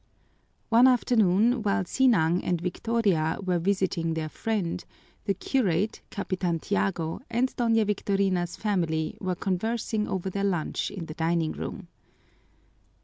One afternoon while Sinang and Victoria were visiting their friend, the curate, Capitan Tiago, and Doña Victorina's family were conversing over their lunch in the dining room.